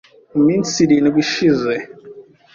Mu minsi irindwi ishize